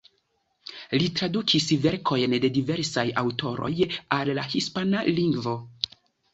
Li tradukis verkojn de diversaj aŭtoroj al la hispana lingvo.